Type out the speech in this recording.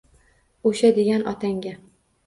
O’xsha, degan otangga.